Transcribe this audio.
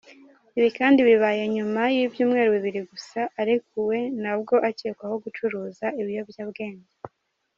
Ibi kandi bibaye nyuma y’ibyumweru bibiri gusa arekuwe na bwo akekwaho gucuruza ibiyobyabwenge.